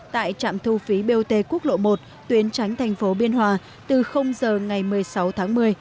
tại trạm thu phí bot quốc lộ một tuyến tránh thành phố biên hòa từ giờ ngày một mươi sáu tháng một mươi